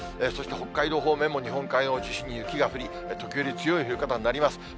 そして、北海道方面も、日本海側を中心に雪が降り、時折強い降り方になります。